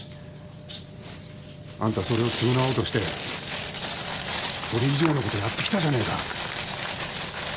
あんたそれを償おうとしてそれ以上のことやってきたじゃねえか！